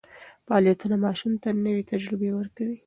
فعالیتونه ماشوم ته نوې تجربې ورکوي.